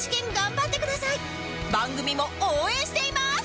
番組も応援しています！